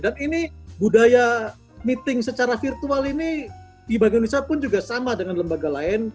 dan ini budaya meeting secara virtual ini di bank indonesia pun juga sama dengan lembaga lain